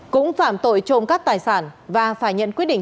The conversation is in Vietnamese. cũng phạm tội trộm cắt tài sản và phải nhận quyết định